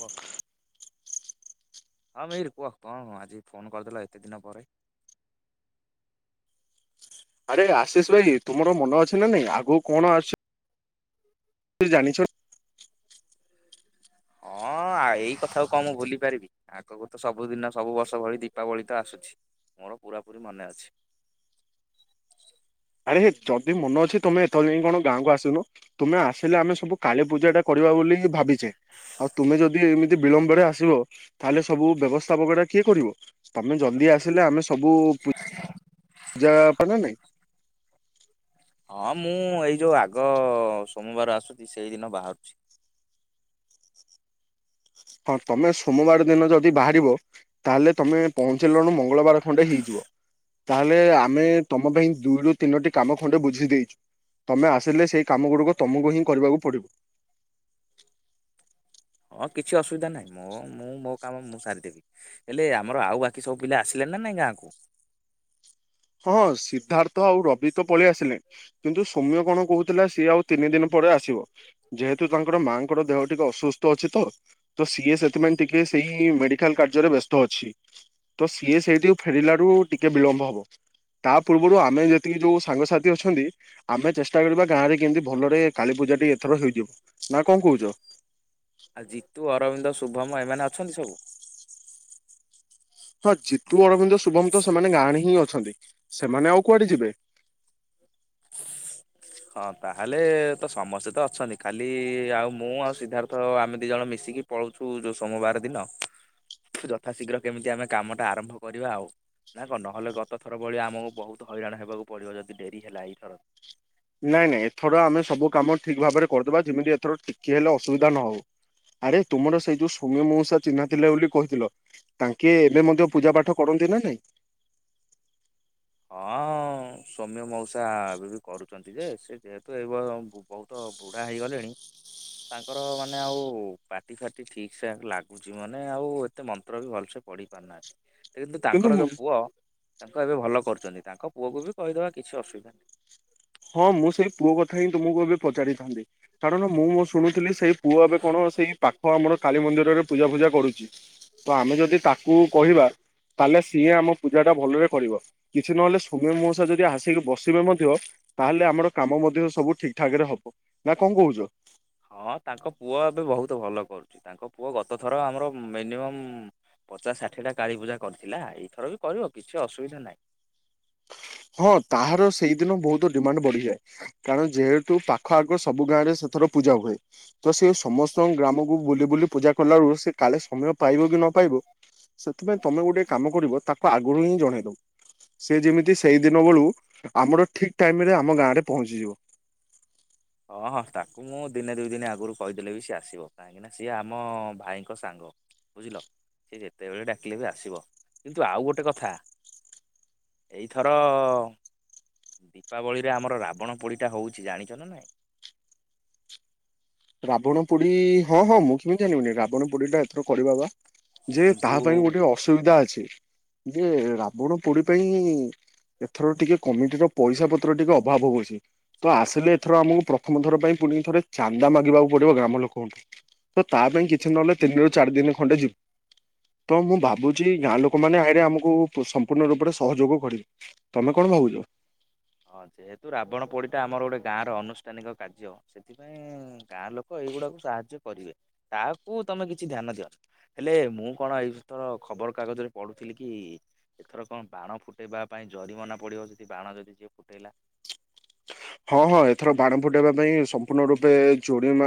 ୱ। ହଁ ଭାଇ କୁହ କଣ ଆଜି ଫୋନ କରିଦେଲ ଏତେ ଦିନ ପରେ। ଆରେ ଆଶିଷ ଭାଇ ତୁମର ମନ ଅଛି ନା ନାଇଁ ଆଗକୁ କଣ ଆସୁ ତ ଜାଣିଚ ହଁ ଏଇ କଥା କଣ ମୁଁ ଭୁଲି ପାରିବି ଆଗକୁ ତ ସବୁ ଦିନ ସବୁ ବର୍ଷ ଭଳି ଦୀପାବଳି ତ ଆସୁଛି। ଆମର ପୁରାପୁରୀ ମାନେ ଅଛି। [inaudible] ଆରେ ଯଦି ମନ ଅଛି ତୁମେ ଏଥର ଯାଇଁ କଣ ଗାଁକୁ ଆସନ ତମେ ଆସିଲେ ଆମେ ସବୁ କାଲି ପୂଜା ଟା କରିବା ବୋଲି ବୋଲି [unintelligible] ଆଉ ତୁମେ ଯଦି ଏମିତି ବିଳମ୍ବରେ ଆସିବ ତାହେଲେ ସବୁ ବ୍ୟବସ୍ଥାପକ ଟା କିଏ କରିବ? [unintelligible] ଆସିଲେ ଆମେ ସବୁ ପୂଜାପଣା ନାହିଁ। ହଁ ମୁଁ ଏଇ ଯୋଉ ଆଗ ସୋମବାର ଆସୁଚି ସେଇଦିନ ବାହାରୁଛି। ହଁ ତମେ ସୋମବାର ଦିନ ଯଦି ବାହା ତାହେଲେ ତମେ ପହଞ୍ଚେ [unintelligible] ମଙ୍ଗଳବାର ଖଣ୍ଡେ ହେଇଯିବ। ତାହେଲେ ଆମେ ତମ ପାଇଁ ଦୁଇରୁ ତିନୋଟି କାମ ଖଣ୍ଡେ ବୁଝି ଦେଇ ତମେ ଆସିଲେ ସେଇ କାମ ଗୁଡିକ ତମକୁ ହିଁ କରିବାକୁ ପଡିବ। ହଁ କିଛି ଅସୁବିଧା ନାହିଁ ମୋ ମୁଁ ମୋ କାମ ମୁଁ ସାରିଦେବି ହେଲେ ଆମର ଆଉ ବାକି ସବୁ ପିଲା ଆସିଲେଣି। ନ ନାହିଁ ଗାଁକୁ। ହଁ ସିଦ୍ଧାର୍ଥ ଆଉ ରବି ତ ପଳେଇ ଆସିଲେ, କିନ୍ତୁ ସୌମ୍ୟ କଣ କହୁଥିଲା ସିଏ ଆଉ ତିନି ଦିନ ପର ଆସିବ ଯେହେତୁ ତାଙ୍କର ମାଙ୍କର ଦେହ ଟିକେ ଅସୁସ୍ଥ ଅଛି ତ ସିଏ ସେଥିପାଇଁ ଟିକେ ସେଇ ମେଡିକାଲ କାର୍ଯ୍ୟରେ ବ୍ୟସ୍ତ ଅଛି, ତ ସିଏ ସେଇଠିୁ ଫେରିଲାରୁ ଟିକେ ବିଳମ୍ବ ହବ। ତା ପୂର୍ବରୁ ଆମେ ଯେତିକି ଯୋଉ ସାଙ୍ଗସାଥି ଅଛନ୍ତି ଆମେ ଚେଷ୍ଟା କରିବା ଗାଁରେ କେମିତି ଭଲରେ କଳୀପୂଜାଟି ଏଥର ହେଇଯାଇ। ନା କଣ କହୁଛ। ଆଉ ଜିତୁ ଅରବିନ୍ଦ ଶୁଭମ ଏମାନେ ଅଛନ୍ତି ସବୁ। ହଁ ଜିତୁ ଅରବିନ୍ଦ ଶୁଭମ ତ ସେମାନେ ଗାଁରେ ହିଁ ଅଛ ଅଛନ୍ତି ସେମାନେ ଆଉ କୁଆଡେ ଯିବେ। ହଁ ତାହେଲେ ତ ସମସ୍ତେ ତ ଅଛନ୍ତି ଖାଲି ଆଉ ମୁଁ ଆଉ ସିଦ୍ଧାର୍ଥ ଆମେ ଦୁଇଜଣ ମିଶିକି। [unintelligible] ଯୋଉ ସୋମବାର ଦିନ। ଯଥାଶୀଘ୍ର କେମିତି ଆମେ କାମ ଟା ଆରମ୍ଭ କରିବା ନା କଣ ନହେଲେ ଗତ ଥର ଭଳିଆ ଆମକୁ ବୋହୁତ ହଇରାଣ ହେବାକୁ ପଡିବ ଯଦି ଡେରି ହେଲା ଏଇଥର। ନାଇଁ ନାଇଁ ଏଥର ଆମେ ସବୁ କାମ ଠିକ ଭାବରେ କରିଦବା ଯେମିତି ଏଥର ଟିକିଏ ହେଲେ ଅସୁବିଧା ନହଉ। ଆରେ ତୁମର ସେଇ ଯୋଉ ସୌମ୍ୟ ମଉଷା ଚିହ୍ନା ଥିଲେ ବୋଲି କହିଥିଲ। ତାଙ୍କେ ଏବେ ମଧ୍ୟ ପୂଜା ପାଠ କରନ୍ତି ନା ନାଇଁ? ହଁ ସୌମ୍ୟ ମଉସା ଏବେ ବି କରୁଛନ୍ତି। ଯେ ସେ ଯେହେତୁ ଏବେ ବହୁତ ବୁଢା ହେଇଗଲେଣି। ତାଙ୍କର ମାନେ ଆଉ ପାଟି ଫାଟି ଠିକ ସେ ଲାଗୁଛି ମାନେ ଆଉ ଏତେ ମନ୍ତ୍ର ବି ଭଲସେ ପଢି ପାରୁନାହାନ୍ତି କିନ୍ତୁ ତାଙ୍କର ଯୋଉ ପୁଅ ତାଙ୍କୁ ଏବେ ଭଲ କରୁ ଯଦି ତାଙ୍କ ପୁଅକୁ ବି କହିଦେବା କିଛି ଅସୁବିଧା ନାହିଁ। ହଁ ମୁଁ ସେଇ ପୁଅ କଥା ହିଁ ତୁମକୁ ଏବେ ପଚାରିଥାନ୍ତି କାରଣ ମୁଁଁ ଶୁଣୁଥିଲି ସେଇ ପୁଅ ଏବେ କଣ ସେଇ ପାଖ ଆମର କାଳି ମନ୍ଦିରରେ ପୂଜା ଫୁଜା କରୁଛି ତ ଆମେ ଯଦି ତାକୁ କହିବା। ତାହେଲେ ସିଏ ଆମ ପୂଜାଟା ଭଲରେ କରିବ କିଛି ନହେଲେ ସୌମ୍ୟ ମଉସା ଯଦି ଆସିକି ବସିବେ ମଧ୍ୟ ତାହେଲେ ଆମର କାମ ମଧ୍ୟ ସବୁ ଠିକ୍ ଠାକ ରେ ହବ ନା କଣ କହୁଛ। ହଁ ତାଙ୍କ ପୁଅ ଏବେ ବହୁତ ଭଲ କରୁଛି ତାଙ୍କ ପୁଅ ଗତ ଥର ଆମର ମିନିମମ୍ ପଚାଶ ଷାଠିଏଟା କାଳୀପୂଜା କରିଥିଲା ଏଇଥର ବି କରିବ କିଛି ଅସୁବିଧା ନାହିଁ। [inaudible] ହଁ ତାହାର ସେଇଦିନ ବହୁତ ଡିମାଣ୍ଡ ବଢିଯାଏ କାରଣ ଯେହେତୁ ପାଖ ଆଗ ସବୁ ଗାଁରେ ସେ ଥର ପୂଜା ହୁଏ ତ ସେ ସମସ୍ତଙ୍କ ଗ୍ରାମକୁ ବୁଲି ବୁଲି ପୂଜା କଲାରୁ ସେ କାଳେ ସମୟ ପାଇବ କି ନ ସେଥିପାଇଁ ତମେ ଗୋଟେ କାମକରିଵ ତାକୁ ‌ଆଗରୁ ହଁ ଜଣେଇଦେଵ ସେ ଯେମିତି ସେଇ ଦିନ ବେଳୁ ଆମର ଠିକ ଟାଇମରେ ଆମ ଗାଁ ରେ ପହଞ୍ଚିଯିବ। ହଁ ହଁ ତାକୁ ମୁଁ ଦିନେ ଦୁଇ ଦିନ ଆଗରୁ କହିଦେଲେ ବି ସିଏ ଆସିବ କାହିଁକି ନା ସିଏ ଆମ ଭାଇଙ୍କ ସାଙ୍ଗ। ବୁଝିଲ ସେ ଯେତେବେଳେ ଡାକିଲେ ବି ଆସିବ କିନ୍ତୁ ଆଉ ଗୋଟେ କଥା ଏଇଥର ଦୀପାବଳିରେ ଆମର ରାବଣ ପୋଡିଟା ହଉଚି ଜାଣିଛ ନା ନାଇଁ? ରାବଣ ପୋଡି ହଁ ହଁ ମୁଁ କେମିତି ଜାଣିବିନି ରାବଣ ପୋଡିଟା ଏଥର କରିବା ବା। ଯେ ତାହା ପାଇଁ କିନ୍ତୁ ଗୋଟେ ଅସୁବିଧା ଅଛି। ଯେ ରାବଣ ପୋଡି ପାଇଁ ଏଥର ଟିକେ କମିଟିର ପଇସା ପତ୍ର ଟିକେ ଅଭାବ ହଉଚି ତ ଆସିଲେ ଏଥର ଆମକୁ ପ୍ରଥମ ଥର ପାଇଁ। ପୁଣିଥରେ ଚା ଚାନ୍ଦା ମାଗିବାକୁ ପଡିବ ଗ୍ରାମ ଲୋକଙ୍କଠୁ ତ ତା ପାଇଁ କିଛି ନହେଲେ ତିନିରୁ ଚାରି ଦିନ ଖଣ୍ଡେ ଯିବ। ତ ମୁଁ ଭାବୁଛି ଗାଁ ଲୋକମାନେ ଆଇଲେ ଆମକୁ ସମ୍ପୂର୍ଣ୍ଣ ରୂପରେ ସହଯୋଗ କରିବେ ତମେ କଣ ଣ ଭାବୁଛ। ହଁ ଯେହେତୁ ରାବଣ ପୋଡିଟା ଆମର ଗୋଟେ ଗାଁର ଅନୁଷ୍ଠାନିକ କାର୍ଯ୍ୟ ସେଥିପାଇଁ ଗାଁ ଲୋକ ଏଇଗୁଡାକୁ ସାହାଯ୍ୟ କରିବେ ତାକୁ ତମେ କିଛି ଧ୍ୟାନ ଦିଅ ହେଲେ ମୁଁ କଣ ଏଇଥର ଖବର ଖବର କାଗଜରେ ପଡୁଥିଲି କି ଏଥର କଣ ବାଣ ଫୁଟେଇବା ପାଇଁ ଜରିମାନା ପଡିବ ସେ ବାଣ ଯଦି ଯିଏ ଫୁଟେଇଲା। ହଁ ହଁ ଏଥର ବାଣ ଫୁଟେଇବା ପାଇଁ ସମ୍ପୂର୍ଣ୍ଣ ରୂପେ ଜୋରିମା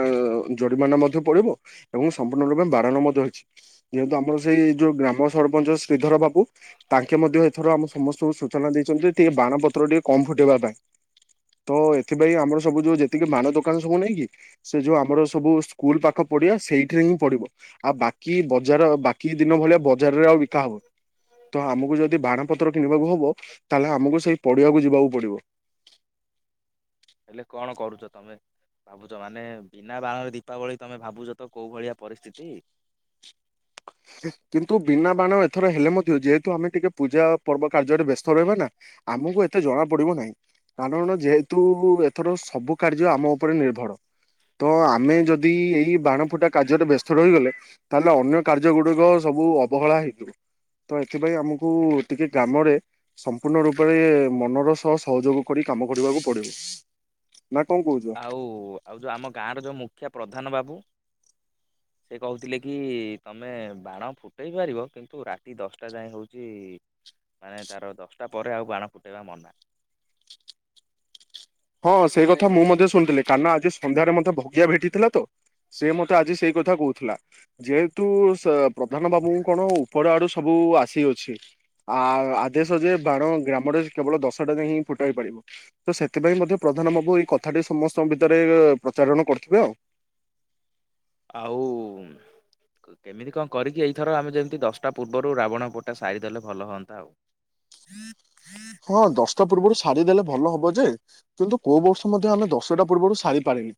ଜୋରିମାନା ମଧ୍ୟ ପଡିବ। ଏବଂ ସମ୍ପୂର୍ଣ୍ଣ ରୂପେ ବାରଣ ମଧ୍ୟ ରଇଛି ଯେହେତୁ ଆମର ସେଇ ଯୋଉ ଗ୍ରାମ ସରପଞ୍ଚ ଶ୍ରୀ ତାଙ୍କେ ମଧ୍ୟ ଏଥର ଆମ ସମସ୍ତଙ୍କୁ ସୂଚନା ଦେଇଛନ୍ତି ଟିକେ ବାଣ ପତ୍ର ଟିକେ କମ ଫୁଟେଇବା ପାଇଁ। ତ ଏଥିପାଇଁ ଆମର ସବୁ ଯୋଉ ଯେତିକି ମାନ ଦୋକାନ ସବୁ ନାଇଁ କିି ସେ ଯୋଉ ଆମର ସବୁ ସ୍କୁଲ ପାଖ ପଡିଆ। ସେଇଥିରେହିଁ ପଡିବ ଆଉ ବାକି ବଜାର ବା କି ଦିନଭଳିଆ ବଜାରରେ ଆଉ ବିକା ହବ ତ ଆମକୁ ଯଦି ବାଣ ପତ୍ର କିଣିବାକୁ ହବ। ତାହେଲେ ଆମକୁ ସେଇ ପଡିଆକୁ ଯିବାକୁ ପଡିବ। ହେଲେ କଣ କରୁଚ ତମେ? ଭାବୁଛ ମାନେ ବିନା ବାଣରେ ଦୀପାବଳି ତମେ ଭାବୁଛ ତ କୋଉ ଭଳିଆ ପରିସ୍ଥିତି। [unintelligible] କିନ୍ତୁ ବିନା ବାଣ ଏଥର ହେଲେ ମଧ୍ୟ ଯେହେତୁ ଆମେ ଟିକେ ପୂଜା ପର୍ବ କାର୍ଯ୍ୟରେ ବ୍ୟସ୍ତ ରହିବା ନା ଆ ଆମକୁ ଏତେ ଜଣା ପଡିବନାହିଁ। କାଣଣ ଯେହେତୁ ଏଥର ସବୁ କାର୍ଯ୍ୟ ଆମ ଉପରେ ନିର୍ଭର। ତ ଆମେ ଯଦି ଏଇ ବାଣଫୁଟା କାର୍ଯ୍ୟରେ ବ୍ୟସ୍ତ ରହିଗଲେ ତାହେଲେ ଅନ୍ୟ କାର୍ଯ୍ୟ ଗୁଡିକ ସବୁ ଅବହେଳା ହେଇଯିବ। ତ ଏଥିପାଇଁ ଆମକୁ ଟିକେ ଗ୍ରାମରେ ସମ୍ପୂର୍ଣ୍ଣ ରୂପରେ ମନର ସହ ସହଯୋଗ କରି କାମ କରିବାକୁ ପଡିବ। ନା କଣ କହୁଛ? ଆଉ ଆଉ ଯୋଉ ଆମ ଗାଁ ର ଯୋଉ ମୁଖିଆ ପ୍ରଧାନ ବାବୁ। ସେ କହୁଥିଲେ କି ତମେ ବାଣ ଫୁଟେଇ ପାରିବ କିନ୍ତୁ ରାତି ଦଶଟା ଯାଏ ହଉଛି। ମାନେ ତାର ଦଶଟା ପରେ ଆଉ ବାଣ ଫୁଟେଇବା ମନା। ହଁ ସେଇ କଥା ମୁଁ ମଧ୍ୟ ଶୁଣିଥିଲି କାରଣ ଆଜି ସନ୍ଧ୍ୟାରେ ମତେ ଭଗିଆ ଭେଟିଥିଲା ତ। ସେ ମତେ ଆଜି ସେଇ କଥା କହୁଥିଲା। ଯେହେତୁ ପ୍ରଧାନ ବାବୁଙ୍କୁ କଣ ଉପର ଆଡୁ ସବୁ କୁ ଆସିଅଛି। ଆ ଆଦେଶ ଯେ ବାଣ ଗ୍ରାମରେ କେବଳ ଦଶଟା ଯାଏ ହିଁ ଫୁଟା ହେଇପାରିବ ତ ସେ ସେଥିପାଇଁ ମଧ୍ୟ ପ୍ରଧାନ ବାବୁ ଏଇ କଥାଟି ସମସ୍ତଙ୍କ ଭିତରେ ପ୍ରଚାରଣ କରିଥିବ। ଆଉ। କେମିତି କଣ କରିକି ଏଇଥର ଆମେ ଯେମିତି ଦଶଟା ପୂର୍ବରୁ ରାବଣ ପୋଡ଼ି ଟା ସାରିଦେଲେ ଭଲ ହୁଅନ୍ତା ଆଉ। ହଁ ଦଶଟା ପୂର୍ବରୁ ସାରି ଦେଲେ ଭଲ ହବ ଯେ କିନ୍ତୁ କୋଉଁ ବର୍ଷ ମଧ୍ୟ ଆମେ ଦଶଟା ପୂର୍ବରୁ ସାରି ପାରୁନୁ।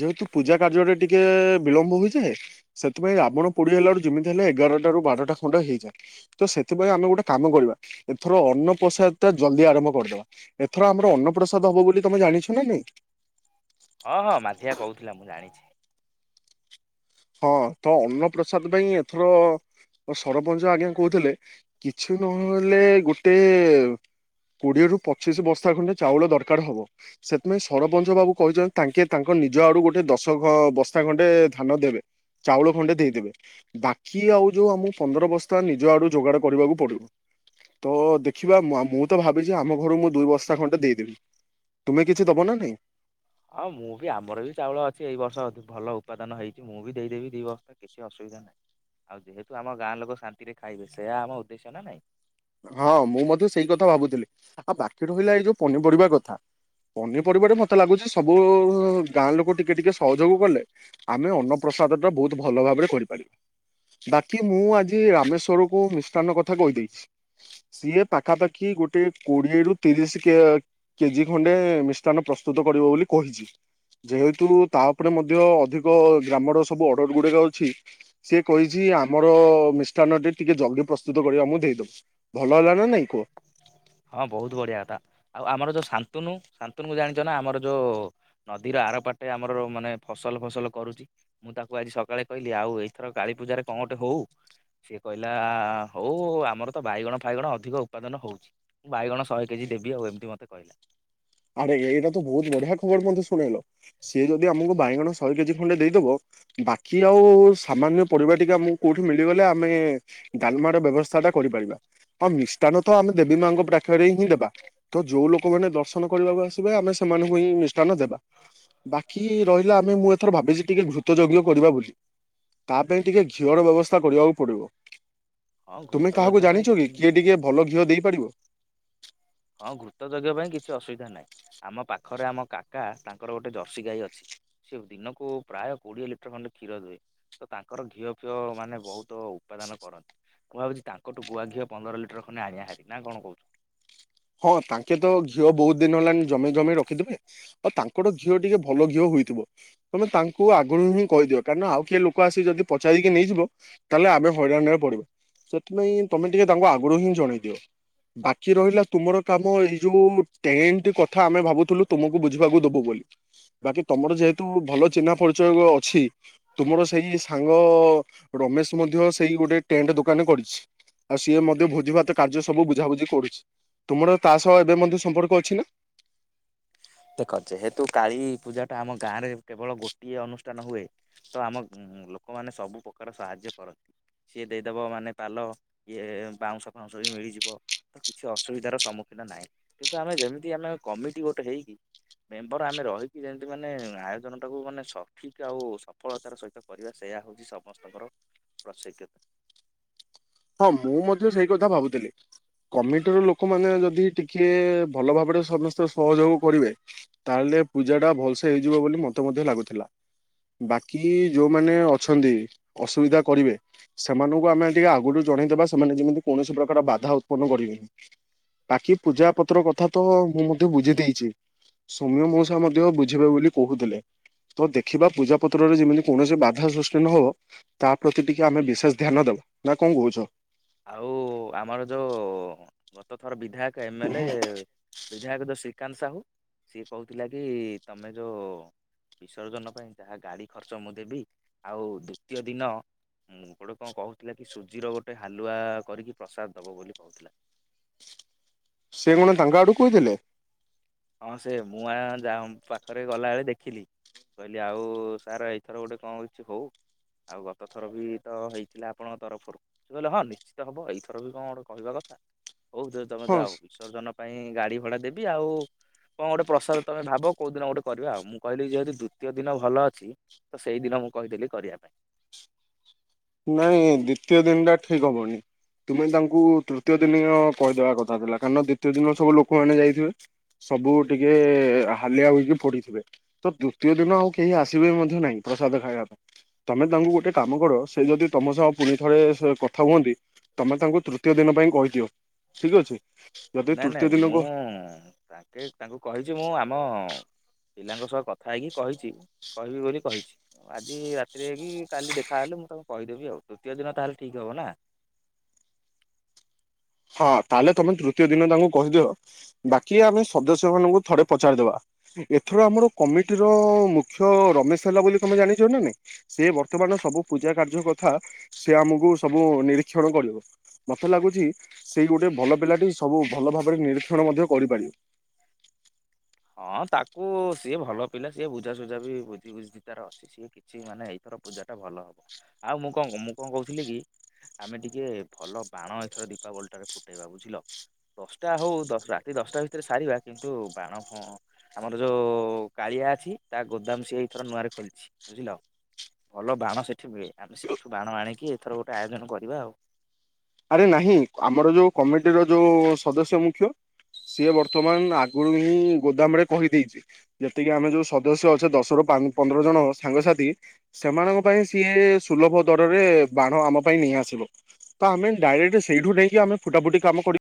ଯେହେତୁ ପୂଜା କାର୍ଯ୍ୟରେ ଟିକେ ବିଳମ୍ବ ହୋଇଯାଏ। ସେଥିପାଇଁ ରାବଣ ପୋଡ଼ି ହେଲା ଯେମିତି ହେଲେ ଏଗାରଟ ରୁ ବାରଟା ଖଣ୍ଡେ ହେଇଯାଏ। ତ ସେଥିପାଇଁ ଆମେ ଗୋଟେ କାମ କରିବା। ଏଥର ଅନ୍ନପ୍ରସାଦ ଟା ଜଲଦି ଆରମ୍ଭ କରିଦବା। ଏଥର ଆମର ଅନ୍ନପ୍ରସାଦ ହବ ବୋଲି ତମେ ଜାଣିଛ ନା ନାଇଁ? ଓଁ ହଁ ମାଧିଆ କହୁଥିଲା ମୁଁ ଜାଣିଛି। ହଁ ତ ଅନ୍ନପ୍ରସାଦ ଭାଇ ଏଥର ସରପଞ୍ଚ ଆଜ୍ଞା କହୁଥିଲେ କିଛି ନହେଲେ ଗୋଟେ କୋଡ଼ିଏରୁୁ ପଚିଶି ବସ୍ତା ଖଣ୍ଡେ ଚାଉଳ ଦରକାର ହବ। ସେଥିପାଇଁ ସରପଞ୍ଚ ବାବୁ କହିଛନ୍ତି ତାଙ୍କେ ତାଙ୍କର ନିଜ ଆଡୁ ଗୋଟେ ଦଶ ବସ୍ତା ଖଣ୍ଡେ ଧାନ ଦେବେ। ଚାଉଳ ଖଣ୍ଡେ ଦେଇଦେବେ ବାକି ଆଉ ଯୋଉଁ ଆମ ପନ୍ଦର ବସ୍ତା ନିଜ ଆଡୁ ଯୋଗାଡ଼ କରିବାକୁ ପଡ଼ିବ। ତ ଦେଖିବା ମୁଁ ତ ଭାବିଚି ଆମ ଘରୁ ମୁଁ ଦୁଇ ବସ୍ତା ଖଣ୍ଡେ ଦେଇଦେବି। ତୁମେ କିଛି ଦବ ନା ନାଇଁ? ହଁ ମୁଁ ବି ଆମର ବି ଚାଉଳ ଅଛି। ଏଇ ବର୍ଷ ଭଲ ଉପାଦନ ହେଇଛି। ମୁଁ ବି ଦେଇଦେବି ଦି ବସ୍ତା କିଛି ଅସୁବିଧା ଆଉ ଯେହେତୁ ଆମ ଗାଁ ଲୋକ ଶାନ୍ତିରେ ଖାଇବେ ସେୟା ଆମ ଉଦ୍ଦେଶ୍ୟ ନା ନାଇଁ। ହଁ ମୁଁ ମଧ୍ୟ ସେଇ କଥା ଭାବୁଥିଲି। ଆଉ ବାକି ରହିଲା ଏଇ ଯୋଉଁ ପନିପରିବା କଥା। ପନିପରିବାରେ ମତେ ଲାଗୁଛି ସବୁ ଗାଁ ଲୋକ ଟିକେ ଟିକେ ସହଯୋଗ କଲେ ଆମେ ଅନ୍ନପ୍ର ପ୍ରସାଦ ଟା ବହୁତ ଭଲ ଭାବରେ କରିପାରିବି। ବାକି ମୁଁ ଆଜି ରାମେଶ୍ଵର କୁ ମିଷ୍ଟାନ୍ନ କଥା କହିଦେଇଛି। ସିଏ ପାଖାପାଖି ଗୋଟେ କୋଡ଼ିଏରୁ ତିରିଶ କେ କେଜି ଖଣ୍ଡେ ମିଷ୍ଟାନ୍ ପ୍ରସ୍ତୁତ କରି ଦେବ ବୋଲି କହିଛି। ଯେହେତୁ ତା ଉପରେ ମଧ୍ୟ ଅଧିକ ଗ୍ରାମର ସବୁ ଅର୍ଡର ଗୁଡ଼ା ଯାଉଚି ସିଏ କହିଛି ଆମର ମିଷ୍ଟାନ ଟିକେ ଜଲଦି ପ୍ରସ୍ତୁତ କରି ଆମକୁ ଦେଇଦବ ଭଲ ହେଲା ନା ନାଇଁ କୁହ? ହଁ ବହୁତ ବଢିଆ ହେଲା। ଆଉ ଆମର ଯୋଉଁ ଶାନ୍ତୁନ ଶାନ୍ତୁନ କୁ ଜାଣିଛ ନା ଆମର ଯୋଉଁ ନଦୀର ଆରପଟେ ଆମର ମାନେ ଫସଲ ଫସଲ କରୁଛି। ମୁଁ ତାକୁ ଆଜି ସକାଳେ କହିଲି ଆଉ ଏଇଥର କାଳୀପୂଜା କଣ ଗୋଟେ ହଉ ସିଏ କହିଲା ହଉ ଆମର ତ ବାଇଗଣ ଫାଇଗଣ ଅଧିକ ଉତ୍ପାଦନ ହଉଛି। ମୁଁ ବାଇଗଣ ଶହେ କେଜି ଦେବି ଆଉ ଏମିତି ମତେ କହିଲା। ଆରେ ଏଇଟା ତ ବହୁତ ବଢିଆ ଖବର ମଧ୍ୟ ଶୁଣେଇଲ ସିଏ ଯଦି ଆମକୁ ବାଇଗଣ ଶହେ କେଜି ଖଣ୍ଡେ ଦେଇଦବ ବାକି ଆଉ ସାମାନ୍ୟ ପରିବା ଟିକେ ଆମକୁ କୋଉଁଠି ମିଳିଗଲେ ଆମେ ଡାଲମା ର ବ୍ୟବସ୍ଥା ଟା କରିପାରିବା ମିଷ୍ଟାନ ତ ଆମେ ଦେବୀ ମାଙ୍କ ପାଖରେ ହିଁ ଦେବା। ତ ଯୋଉଁ ଲୋକ ମାନେ ଦର୍ଶନ କରିବାକୁ ଆସିବେ ଆମେ ସେମାନଙ୍କୁ ହିଁ ମିଷ୍ଠାନ ଦେବା। ବାକି ରହିଲା ଆମେ ମୁଁ ଏଥର ଭାବିଛି ଟିକେ ଘୃତ ଯଜ୍ଞ କରିବା ବୋଲି ତା ପାଇଁ ଟିକେ ଘିଅର ବ୍ୟବସ୍ଥା କରିବାକୁ ପଡ଼ିବ। ହଁ ତୁମେ ଘୃତ କାହାକୁ ଯଜ୍ଞ ପାଇଁ ଜାଣିଛ କି? କିଏ ଟିକେ ଭଲ ଘିଅ ଦେଇପାରିବ। ହଁ ଘୃତ ଯଜ୍ଞ ପାଇଁ କିଛି ଅସୁବିଧା ନାହିଁ। ଆମ ପାଖରେ ଆମ କାକା ତାଙ୍କର ଗୋଟେ ଜର୍ସି ଗାଈ ଅଛି। ସେ ଦିନକୁ ପ୍ରାୟ କୋଡ଼ିଏ ଲିଟର ଖଣ୍ଡେ କ୍ଷୀର ଦିଏ। ତ ତାଙ୍କର ଘିଅ ଫିଅ ମାନେ ବହୁତ ଉପାଦାନ କରନ୍ତି‌। ମୁଁ ଭାବୁଚି ତାଙ୍କ ଠୁ ଗୁଆଘିଅ ପନ୍ଦର ଲିଟର ଖଣ୍ଡେ ଆଣିଆ ହାରି ନା କଣ କହୁଛୁ? ହଁ ତାଙ୍କେ ତ ଘିଅ ବହୁତ ଦିନ ହେଲାଣି ଜମେଇ ଜମେଇ ରଖିଥିବେ। ଆଉ ତାଙ୍କର ଘିଅ ଟିକେ ଭଲ ଘିଅ ହୁଏ। ହେଇଥିବ ତମେ ତାଙ୍କୁ ଆଗରୁ ହିଁ କହିଦିଅ କାରଣ ଆଉ କିଏ ଲୋକ ଆସିକି ଯଦି ପଚାରି ନେଇଯିବ ତାହେଲେ ତମେ ହଇରାଣରେ ପଡିବ ସେଥିପାଇଁ ତମେ ଟିକେ ତାଙ୍କୁ ଆଗରୁ ହିଁ ଜଣେଇ ଦିଅ ବାକି ରହିଲା ତୁମର କାମ ଏଇ ଯୋଉ ଟେଣ୍ଟ କଥା ଆମେ ଭାବୁଥିଲୁ ତୁମକୁ ବୁଝିବାକୁ ଦବୁ ବୋଲି। ବାକି ତମର ଯେହେତୁ ଭଲ ଚିହ୍ନା ପରିଚୟ ଅଛି ତୁମର ସେଇ ସାଙ୍ଗ ରମେଶ ମଧ୍ୟ ସେଇ ଗୋଟେ ଟେଣ୍ଟ ଦୋକାନ କରିଛି। ଆଉ ସିଏ ମଧ୍ୟ ଭୋଜିଭାତ କାର୍ଯ୍ୟ ସବୁ ବୁଝାବୁଝି କରୁଛି। ତୁମର ତା ସହ ଏବେ ମଧ୍ୟ ସମ୍ପର୍କ ଅଛି ନା। ଦେଖ ଯେହତୁ କାଳୀ ପୂଜା ଟା ଆମ ଗାଁରେ କେବଳ ଗୋଟିଏ ଅନୁଷ୍ଠାନ ହୁଏ। ତ ଆମ ଲୋକମାନେ ସବୁ ପ୍ରକାର ସାହାଯ୍ୟ କରନ୍ତି। ସିଏ ଦେଇଦବ ମାନେ ପାଲ ଇଏ ବାଉଁଶ ଫାଉଁଶ ବି ମିଳିଯିବ ତ କିଛି ଅସୁବିଧାର ସମ୍ମୁଖୀନ୍ ନାଇଁ କିନ୍ତୁ ଆମେ ଯେମିତି ଆମେ କମିଟି ଗୋଟେ ହେଇକି ମେମ୍ବର ଆମେ ରହିକି ଯେମତି ମାନେ ଆୟୋଜନ ଟାକୁ ମାନେ ସଠିକ୍ ଆଉ ସଫଳତାର ସହିତ କରି ସେୟା ହଉଛି ସମସ୍ତଙ୍କର [unintelligible] ହଁ ମୁଁ ମଧ୍ୟ ସେଇ କଥା ଭାବୁଥିଲି। କମିଟିର ଲୋକମାନେ ଯଦି ଟିକେ ଭଲ ଭାବରେ ସମସ୍ତେ ସହଯୋଗ କରିବେ ତାହେଲେ ଏ ପୂଜା ଟା ଭଲସେ ହେଇଯିବ ବୋଲି ମତେ ମଧ୍ୟ ଲାଗୁଥିଲା। ବାକି ଯୋଉମାନେ ଅଛନ୍ତି ଅସୁବିଧା କରିବେ ସେମାନଙ୍କୁ ଆମେ ଟିକେ ଆଗରୁ ଜଣେଇଦେବା ସେମାନେ ଯେମିତି କୌଣସି ପ୍ରକାର ବାଧା ଉତ୍ପନ୍ନ କରିବେନି। ବାକି ପୂଜା ପତ୍ର କଥା ତ ମୁଁ ମଧ୍ୟ ବୁଝି ଦେଇଛି। ସୌମ୍ୟ ମଉସା ମଧ୍ୟ ବୁଝିବେ ବୋଲି କହୁଥିଲେ‌। ତ ଦେଖିବା ପୂଜା ପତ୍ରରେ ଯେମିତି କୌଣସି ବାଧା ସୃଷ୍ଟି ନହବ ତା ପ୍ରତି ଟିକେ ଆମେ ବିଶେଷ ଧ୍ୟାନ ଦବୁ। ନା କଣ କହୁ ଆଉ ଆମର ଯୋଉ ଗତ ଥର ବିଧାୟକ ଏମ୍ଏଲେ ବିଧାୟକ ଯୋଉ ଶ୍ରୀକାନ୍ତ ସାହୁ ସିଏ କହୁଥିଲା କି ତମେ ଯୋଉ ବିସର୍ଜନ ପାଇଁ ଯାହା ଗାଡ଼ି ଖର୍ଚ୍ଚ ମୁଁ ଦେବି ଆଉ ଦ୍ଵିତୀୟ ଦିନ ମୁଁ ଗୋଟେ କଣ କହୁଥିଲା କି ସୁଜିର ଗୋଟେ ହାଲୁଆ କରିକି ପ୍ରସାଦ ଦେବ ବୋଲି କହୁଥିଲା। ସେ କଣ ତାଙ୍କ ଆଡ଼ୁ କହିଥିଲେ? ହଁ ସେ ମୁଁ ଆ ଯା ପାଖରେ ଗଲାବେଳେ ଦେଖିଲି। କହିଲି ଆଉ ସାରେ ଏଇଥର ଗୋଟେ କଣ ହଉଛି ହଉ। ଆଉ ଗତ ଥର ବି ତ ହେଇଥିଲା ଆପଣଙ୍କ ତରଫରୁ ସେ କହିଲେ ହଁ ନିଶ୍ଚିତ ହବ ଏଇଥର ବି କଣ ଗୋଟେ କରିଦବ। [unintelligible] ହଉ [unintelligible] ତମେ ହଁ ଯାଅ ବିସର୍ଜନ ପାଇଁ ଗାଡ଼ି ଭଡ଼ା ଦେବି ଆଉ। କଣ ଗୋଟେ ପ୍ରସାଦ ତମେ ଭାବ କୋଉ ଦିନ ଗୋଟେ କରିବା ଆଉ ମୁଁ କହିଲି ଯେହେତୁ ଦ୍ଵିତୀୟ ଦିନ ଭଲ ଅଛି। ସେଇଦିନ ମୁଁ କହିଥିଲି କରିବା ପାଇଁ। ନାଇଁ ଦ୍ଵିତୀୟ ଦିନ ଟା ଠିକ୍ ହବନି। ତୁମେ ତାଙ୍କୁ ତୃତୀୟ ଦିନିୟ କହିଦବା କଥା ଥିଲା କାରଣ ଦ୍ଵିତୀୟ ଦିନ ସବୁ ଲୋକମାନେ ଯାଇଥିବେ। ସବୁ ଟିକେ ହାଲିଆ ହୋଇକି ପଡ଼ିଥିବେ ତ ତୃତୀୟ ଦିନ ଆଉ କେହି ଆସିବେ ମଧ୍ୟ ନାହିଁ। ପ୍ରସାଦ ଖାଇବା ପାଇଁ ତମେ ତାଙ୍କୁ ଗୋଟେ କାମ କର। ସେ ଯଦି ତମ ସହ ପୁଣିଥରେ ସେ କଥା ହୁଅନ୍ତି ତମେ ତାଙ୍କୁ ତୃତୀୟ ଦିନ ପାଇଁ କହିଦିଅ। ଠିକ୍ ଅଛି। ଯଦି ନାଇଁ ତୃତୀୟ ନାଇଁ ଦିନକୁ ମୁଁ ତାଙ୍କେ ତାଙ୍କୁ କହିଛି ମୁଁ ଆମ ପିଲାଙ୍କ ସହ କଥା ହେଇକି କହିଛି କହିବି ବୋଲି କହିଛି ଆଜି ରାତିରେ ହେଇକି କାଲି ଦେଖାହେଲେ ମୁଁ କହିଦେବି ଆଉ ତୃତୀୟ ଦିନ ତାହେଲେ ଠିକ୍ ହବ ନା? [inaudible] ହଁ ତାହେଲେ ତମେ ତୃତୀୟ ଦିନ ତାଙ୍କୁ କହିଦିଅ ବାକି ଆମେ ସଦସ୍ୟ ମାନଙ୍କୁ ଥରେ ପଚାରିଦବା। ଏଥର ଆମର କମିଟିର ମୁଖ୍ୟ ରମେଶ ହେଲା ବୋଲି ତମେ ଜାଣିଛ ନା ନାଇଁ ସେ ବର୍ତ୍ତମାନ ସବୁ ପୂଜା କାର୍ଯ୍ୟ କଥା, ସେ ଆମକୁ ସବୁ ନିରୀକ୍ଷଣ କରିବ, ମତେ ଲାଗୁଛି ସେଇ ଗୋଟେ ଭଲ ପିଲାଟି ସବୁ ଭଲ ଭାବରେ ନିରୀକ୍ଷଣ ମଧ୍ୟ କରିପାରିବ। ହଁ ତାକୁ ସିଏ ଭଲ ପିଲା ସିଏ ବୁଝାସୁଝା ବି ବୁଧିଶୁଧି ତାର ଅଛି ସିଏ କିଛି ମାନେ ଏଇଥର ପୂଜା ଟା ଭଲ ହବ। ଆଉ ମୁଁ କଣ ମୁଁ କଣ କହୁଥିଲି କି, ଆମେ ଟିକେ ଭଲ ବାଣ ଏଥର ଲଟ ଫୁଟେଇବା ବୁଝିଲ, ଦଶଟା ହଉ ରାତି ଦଶଟା ଭିତରେ ସାରିବା, କିନ୍ତୁ ବାଣ ହଁ ଆମର ଯୋଉ କାଳିଆ ଅଛି ତା ଗୋଦାମ ସି ଏଇଥର ନୂଆରେ ଖୋଲିଛି ବୁଝିଲ। ଭଲ ବାଣ ସେଠି ମିଳେ ଆମେ ସେଇଠୁ ବାଣ ଆଣିକି ଏଥର ଗୋଟେ ଆୟୋଜନ କରିବା ଆଉ। ଆରେ ନାହିଁ, ଆମର ଯୋଉ କମିଟିର ଯୋଉ ସଦସ୍ୟ ମୁଖ୍ୟ ସିଏ ବର୍ତ୍ତମାନ ଆଗରୁ ହିଁ ଗୋଦାମ ରେ କହିଦେଇଛି, ଯେତିକି ଆମେ ଯୋଉ ସଦସ୍ୟ ଅଛେ ଦଶର ପନ୍ଦର ଜଣ ସାଙ୍ଗସାଥି ସେମାନଙ୍କ ପାଇଁ ସିଏ ସୁଲଭ ଦରରେ ବାଣ ଆମ ପାଇଁ ନେଇ ଆସିବ, ତ ଆମେ ଡାଇରେକ୍ଟ ସେଇଠୁ ନେଇକି ଆମେ ଫୁଟା ଫୁଟି କାମ କରି